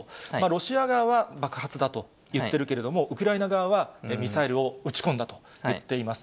ロシア側は爆発だと言っているけれども、ウクライナ側はミサイルを撃ち込んだといっています。